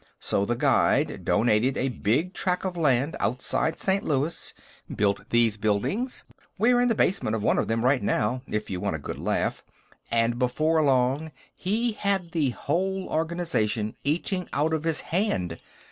So The Guide donated a big tract of land outside St. Louis, built these buildings we're in the basement of one of them, right now, if you want a good laugh and before long, he had the whole organization eating out of his hand.